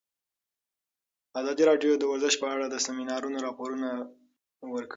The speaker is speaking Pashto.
ازادي راډیو د ورزش په اړه د سیمینارونو راپورونه ورکړي.